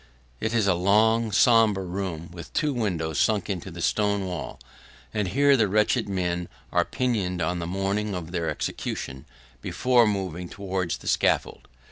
It is a long, sombre room, with two windows sunk into the stone wall, and here the wretched men are pinioned on the morning of their execution, before moving towards the scaffold.